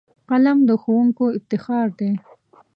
قلم د ښوونکیو افتخار دی